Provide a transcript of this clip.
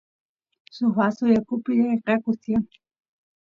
suk vasu yakupi eqequs tiyan